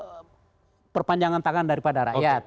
jadi kita harus memiliki perpanjangan tangan daripada rakyat